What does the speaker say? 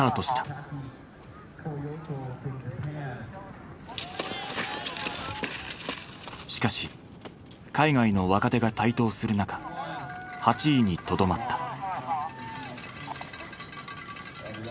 しかし海外の若手が台頭する中８位にとどまった。